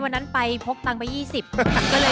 วันนั้นไปโภกตังเอาไป๒๐กว่า